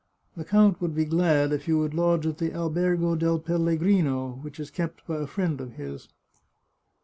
The count would be glad if you would lodge at the Albergo del Pellegrino, which is kept by a friend of his."